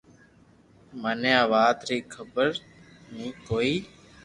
مني آ وات ري خبر ني ھوئي